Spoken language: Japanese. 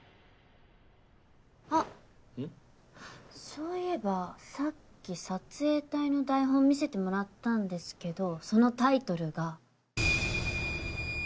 そういえばさっき撮影隊の台本見せてもらったんですけどそのタイトルが。